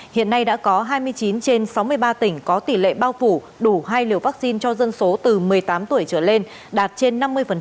hiện nay đã có hai mươi chín trên sáu mươi ba tỉnh có tỷ lệ bao phủ đủ hai liều vaccine cho dân số từ một mươi tám tuổi trở lên đạt trên năm mươi